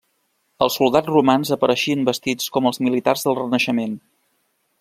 Els soldats romans apareixien vestits com els militars del Renaixement.